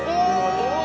お！